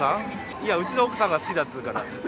いや、うちの奥さんが好きだっていうから。